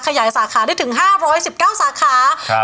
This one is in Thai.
ขยายสาขาได้ถึง๕๑๙สาขา